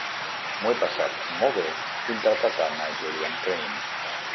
M'ho he passat molt bé interpretant a Julian Crane.